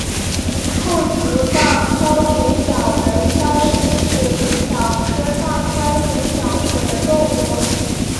厚足荡镖水蚤为镖水蚤科荡镖水蚤属的动物。